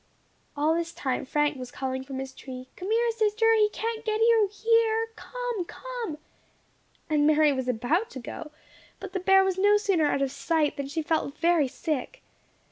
All this time Frank was calling from his tree, "Come here, sister! He can't get you here! Come! come!" And Mary was about to go; but the bear was no sooner out of sight, than she felt very sick.